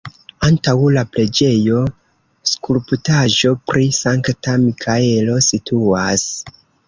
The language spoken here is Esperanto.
Antaŭ la preĝejo skulptaĵo pri Sankta Mikaelo situas.